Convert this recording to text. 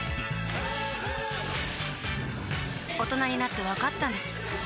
大人になってわかったんです